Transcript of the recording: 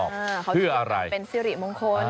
เขาพูดว่าเป็นสิริมงคล